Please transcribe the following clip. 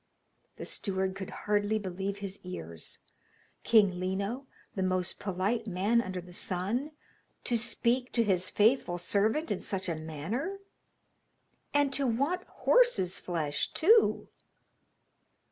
The steward could hardly believe his ears. King Lino, the most polite man under the sun, to speak to his faithful servant in such a manner! And to want horse's flesh too!